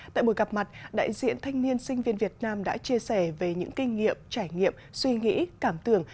tại buổi gặp mặt đại diện thanh niên sinh viên việt nam đã chia sẻ về những kinh nghiệm trải nghiệm suy nghĩ cảm tưởng